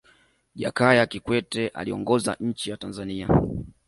jakaya kikwete aliongoza nchi ya tanzania